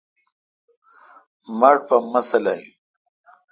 مٹھ پا ماسلہ این۔